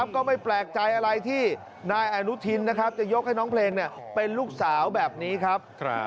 ก็ไม่แปลกใจอะไรที่นายอนุทินจะยกให้น้องเพลงเป็นลูกสาวแบบนี้ครับ